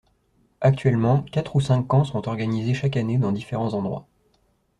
Actuellement, quatre ou cinq camps sont organisés chaque année dans différents endroits.